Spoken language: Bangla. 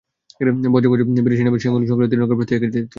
বজ্রে বাজে বাঁশী নামের সেই সংকলনের তিনরঙা প্রচ্ছদ এঁকে দিয়েছিলেন তিনি।